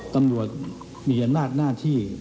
ตำรวจมีอำนาจหน้าที่